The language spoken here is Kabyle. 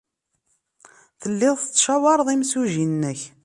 Tellid tettcawaṛed imsujji-nnek.